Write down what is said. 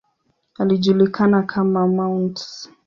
Alijulikana kama ""Mt.